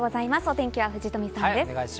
お天気は藤富さんです。